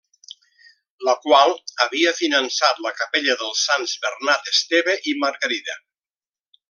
La qual havia finançat la Capella dels sants Bernat, Esteve i Margarida.